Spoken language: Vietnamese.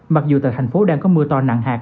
mặc dù tại thành phố đang có mưa to nặng hạt